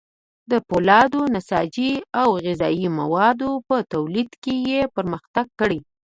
د فولادو، نساجي او غذايي موادو په تولید کې یې پرمختګ کړی.